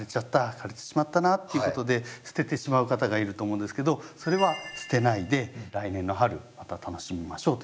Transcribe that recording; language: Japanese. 枯れてしまったな」っていうことで捨ててしまう方がいると思うんですけどそれは捨てないで来年の春また楽しみましょうということですね。